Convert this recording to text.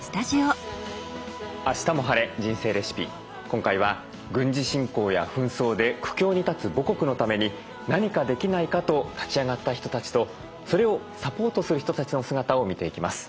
今回は軍事侵攻や紛争で苦境に立つ母国のために何かできないかと立ち上がった人たちとそれをサポートする人たちの姿を見ていきます。